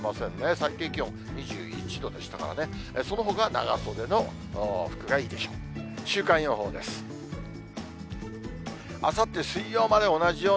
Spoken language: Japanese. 最低気温２１度でしたからね、そのほか、長袖の服がいいでしょう。